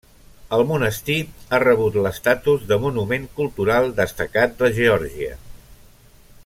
El monestir ha rebut l'estatus de Monument Cultural destacat de Geòrgia.